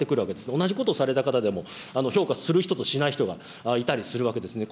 同じことをされた方でも、評価する人と、しない人がいたりするわけですね。